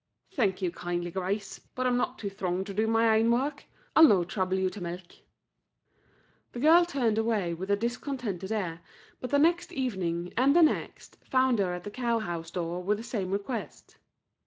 "Thank you kindly, Grace, but I'm no too throng to do my ain work. I'll no trouble you to milk." The girl turned away with a discontented air; but the next evening, and the next, found her at the cow house door with the same request.